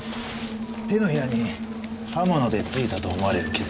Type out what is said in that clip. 手のひらに刃物でついたと思われる傷。